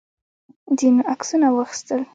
ځینو عکسونه واخیستل.